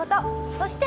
そして。